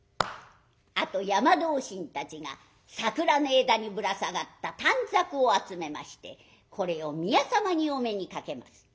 あと山同心たちが桜の枝にぶら下がった短冊を集めましてこれを宮様にお目にかけます。